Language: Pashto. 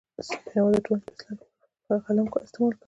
استاد بینوا د ټولنې د اصلاح لپاره خپل قلم استعمال کړ.